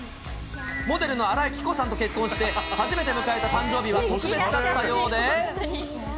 モデルの新井貴子さんと結婚して、初めて迎えた誕生日は特別だったようで。